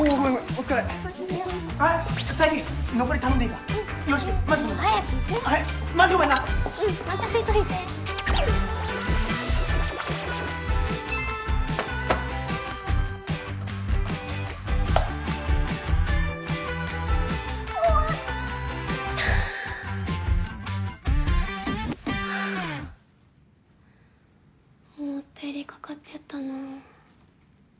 思ったよりかかっちゃったなあ